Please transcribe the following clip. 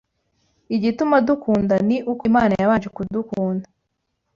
Igituma dukunda ni uko Imana yabanje kudukunda